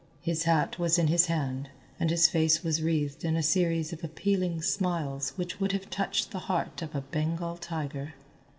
His hat was in his hand and his face was wreathed in a series of appealing smiles which would have touched the heart of a Bengal tiger.